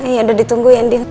iya udah ditunggu ya